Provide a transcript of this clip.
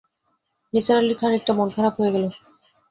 নিসার আলির খানিকটা মন-খারাপ হয়ে গেল।